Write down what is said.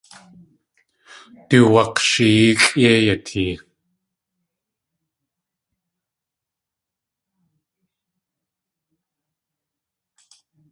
Du wak̲shiyeexʼ yéi yatee.